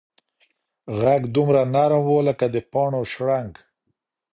غږ دومره نرم و لکه د پاڼو شرنګ.